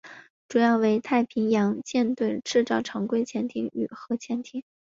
主要为太平洋舰队制造常规潜艇与核潜艇。